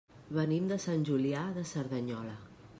Venim de Sant Julià de Cerdanyola.